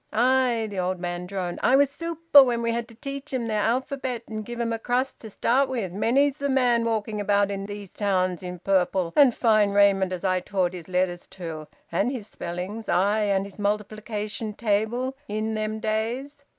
"Aye!" the old man droned. "I was Super when we had to teach 'em their alphabet and give 'em a crust to start with. Many's the man walking about in these towns i' purple and fine raiment as I taught his letters to, and his spellings, aye, and his multiplication table, in them days!"